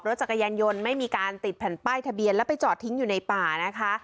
รถจักรยานยนต์ไม่มีการติดแผ่นป้ายทะเบียนแล้วไปจอดทิ้งอยู่ในป่านะคะ